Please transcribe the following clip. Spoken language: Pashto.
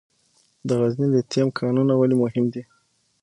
د غزني لیتیم کانونه ولې مهم دي؟